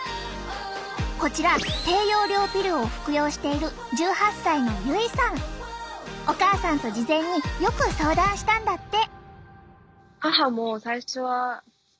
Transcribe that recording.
こちら低用量ピルを服用しているお母さんと事前によく相談したんだって。